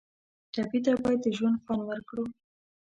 ټپي ته باید د ژوند خوند ورکړو.